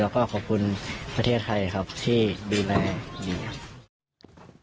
แล้วก็ขอบคุณประเทศไทยครับที่ดูแลดีครับ